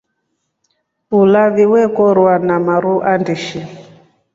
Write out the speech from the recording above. Ulavi wekorwa na maru andishi.